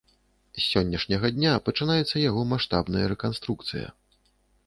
З сённяшняга дня пачынаецца яго маштабная рэканструкцыя.